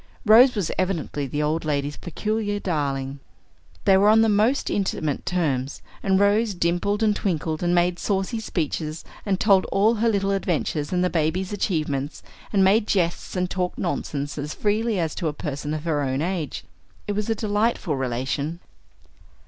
Rose was evidently the old lady's peculiar darling. They were on the most intimate terms; and Rose dimpled and twinkled, and made saucy speeches, and told all her little adventures and the baby's achievements, and made jests, and talked nonsense as freely as to a person of her own age. It was a delightful relation.